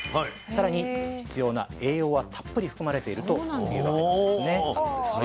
さらに必要な栄養はたっぷり含まれているというわけなんですね。